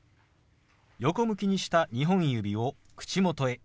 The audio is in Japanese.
横向きにした２本指を口元へ。